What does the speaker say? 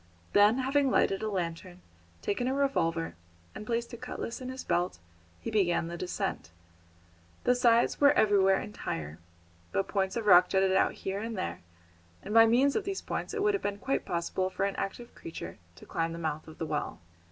Then, having lighted a lantern, taken a revolver, and placed a cutlass in his belt, he began the descent. The sides were everywhere entire; but points of rock jutted out here and there, and by means of these points it would have been quite possible for an active creature to climb to the mouth of the well.